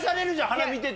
花見てて。